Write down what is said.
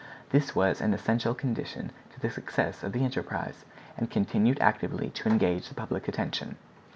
This was an essential condition to the success of the enterprise, and continued actively to engage the public attention.